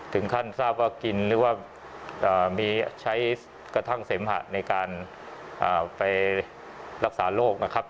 ท่านทราบว่ากินหรือว่ามีใช้กระทั่งเสมหะในการไปรักษาโรคนะครับ